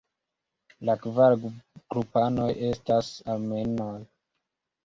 La kvar grupanoj estas Armenoj.